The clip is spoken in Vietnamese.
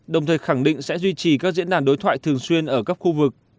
đồng thời khẳng định sẽ duy trì các diễn đàn đối thoại thường xuyên ở các khu vực